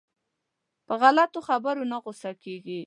په غلطو خبرو نه غوسه کېږي.